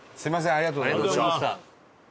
ありがとうございます。